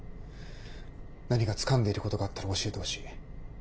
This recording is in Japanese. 何かつかんでいることがあったら教えてほしい。